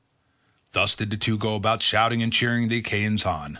Thus did the two go about shouting and cheering the Achaeans on.